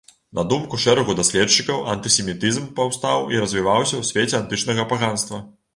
На думку шэрагу даследчыкаў, антысемітызм паўстаў і развіўся ў свеце антычнага паганства.